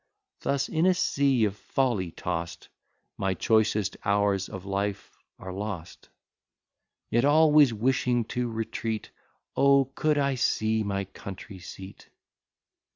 Thus in a sea of folly toss'd, My choicest hours of life are lost: Yet always wishing to retreat, O, could I see my country seat!